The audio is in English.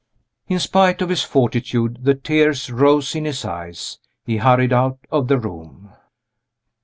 In spite of his fortitude, the tears rose in his eyes. He hurried out of the room.